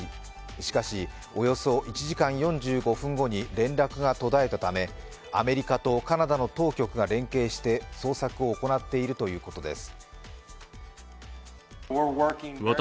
しかし、およそ１時間４５分後に連絡が途絶えたためアメリカとカナダの当局が連携して捜索を行っているということです。